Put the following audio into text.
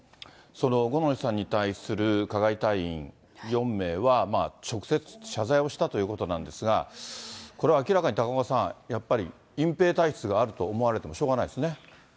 その五ノ井さんに対する加害隊員４名は、直接謝罪をしたということなんですが、これは明らかに高岡さん、やっぱり隠蔽体質があると思われてもしょうがないですね。